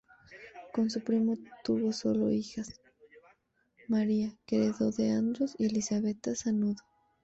Con su primo tuvo sólo hijas: María, que heredó de Andros, y Elisabetta Sanudo.